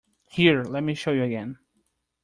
Here, let me show you again.